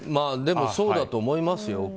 でも、そうだと思いますよ。